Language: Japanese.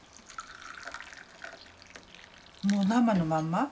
もう生のまんま？